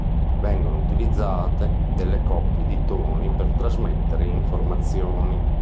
Vengono utilizzate delle coppie di toni per trasmettere informazioni.